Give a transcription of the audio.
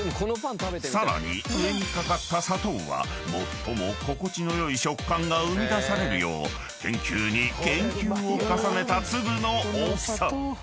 ［さらに上に掛かった砂糖は最も心地の良い食感が生み出されるよう研究に研究を重ねた粒の大きさ］